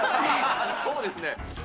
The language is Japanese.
そうですね。